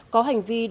có hành vi lừa đảo